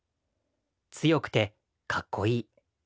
強くてかっこいい。